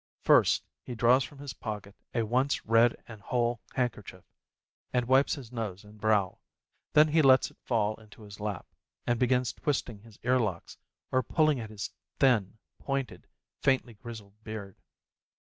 First he draws from his pocket a once red and whole handkerchief, and wipes his nose and brow, then he lets it fall into his lap, and begins twisting his earlocks or pulling at his thin, pointed, faintly grizzled beard.